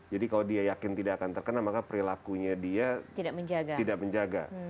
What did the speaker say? jadi kalau dia yakin tidak akan terkena maka perilakunya dia tidak menjaga